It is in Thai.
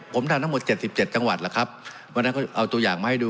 ผมทำทั้งหมด๗๗จังหวัดล่ะครับวันนั้นเขาเอาตัวอย่างมาให้ดู